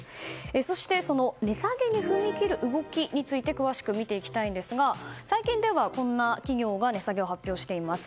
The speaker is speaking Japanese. そして、その値下げに踏み切る動きについて詳しく見ていきたいんですが最近ではこんな企業が値下げを発表しています。